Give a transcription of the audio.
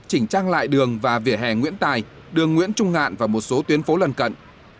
chỉnh trang lại đường và vỉa hè nguyễn tài đường nguyễn trung ngạn và một số tuyến phố lân cận